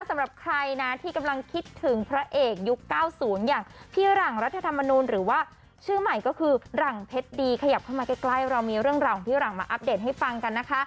สำหรับใครนะที่กำลังคิดถึงพระเอกยุค๙๐อย่างพี่หลังรัฐธรรมนูลหรือว่าชื่อใหม่ก็คือหลังเพชรดีขยับเข้ามาใกล้เรามีเรื่องราวของพี่หลังมาอัปเดตให้ฟังกันนะคะ